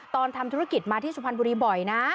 ทำธุรกิจมาที่สุพรรณบุรีบ่อยนะ